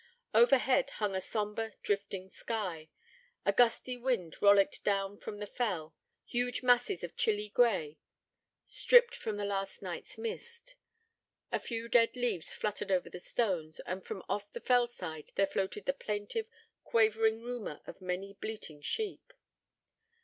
Overhead hung a sombre, drifting sky. A gusty wind rollicked down from the fell huge masses of chilly grey, stripped of the last night's mist. A few dead leaves fluttered over the stones, and from off the fell side there floated the plaintive, quavering rumour of many bleating sheep.